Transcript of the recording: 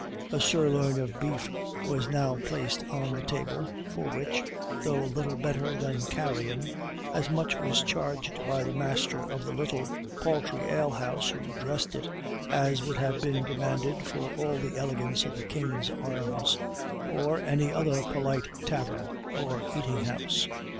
A sirloin of beef was now placed on the table, for which, though little better than carrion, as much was charged by the master of the little paltry ale house who dressed it as would have been demanded for all the elegance of the King's Arms, or any other polite tavern or eating house!